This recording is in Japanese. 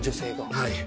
はい。